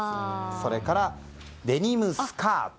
それからデニムスカート。